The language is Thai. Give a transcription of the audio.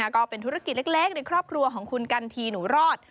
ก็เป็นธุรกิจเล็กในครอบครัวของคุณกันทีหนูรอด